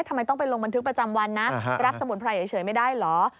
ทำไมต้องไปลงบันทึกประจำวันนะรับสมุนไพรเฉยไม่ได้เหรอ